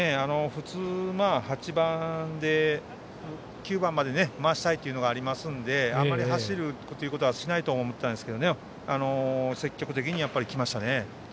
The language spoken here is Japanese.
普通、９番まで回したいというのがありますのであまり走ることはしないと思ったんですけど積極的に来ましたね。